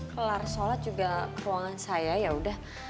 kelar sholat juga ke ruangan saya yaudah